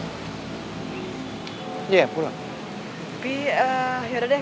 be yaudah deh